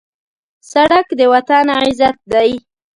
سړک د وطن عزت دی.